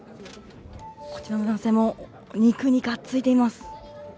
こちらの男性も肉にがっついています。